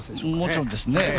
もちろんですね。